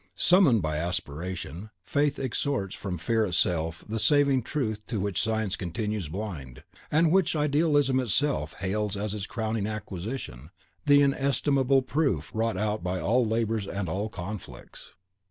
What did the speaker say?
Summoned by aspiration, Faith extorts from Fear itself the saving truth to which Science continues blind, and which Idealism itself hails as its crowning acquisition, the inestimable PROOF wrought out by all labours and all conflicts.